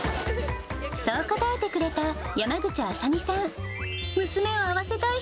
そう答えてくれた、山口麻美さん。